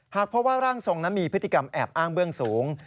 หากเพราะว่าร่างทรงนั้นมีพฤติกรรมแอบอ้างเบื้องสูง